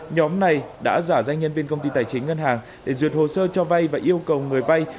nhóm này đã giả danh nhân viên công ty tài chính ngân hàng để duyệt hồ sơ cho vay và yêu cầu người vay